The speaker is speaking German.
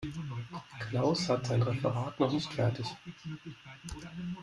Klaus hat sein Referat noch nicht fertig.